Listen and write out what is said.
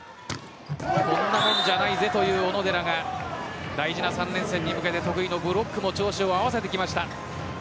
こんなもんじゃないぜという小野寺が、大事な３連戦に向けて得意のブロックも調子を合わせてきました。